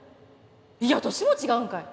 いや年も違うんかい。